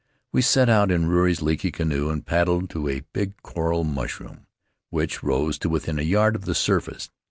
We set out in Ruri's leaky canoe and paddled to a big, coral mush room, which rose to within a yard of the surface.